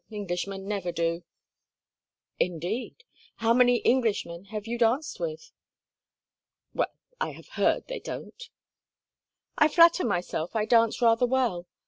Englishmen never do." "Indeed! How many Englishmen have you danced with?" "Well, I have heard they don't." "I flatter myself I dance rather well.